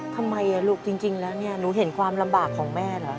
ทำไมลูกจริงแล้วเนี่ยหนูเห็นความลำบากของแม่เหรอ